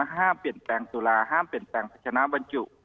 ห้ามเปลี่ยนแปลงสุราห้ามเปลี่ยนแปลงพัชนะบรรจุ